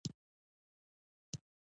احمد د مشرانو خبره نه مني؛ تل غاړه ځوي.